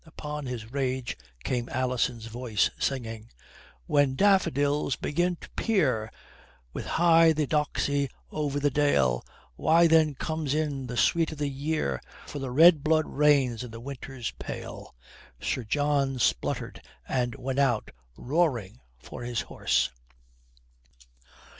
Upon his rage came Alison's voice singing: "When daffodils begin to peer With heigh! the doxy, over the dale, Why, then comes in the sweet o' the year, For the red blood reigns in the winter's pale." Sir John spluttered, and went out roaring for his horse.